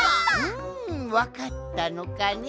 うんわかったのかね？